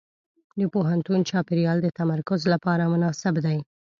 د پوهنتون چاپېریال د تمرکز لپاره مناسب دی.